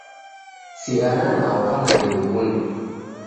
Sighana nao kama ndeukunde.